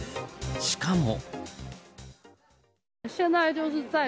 しかも。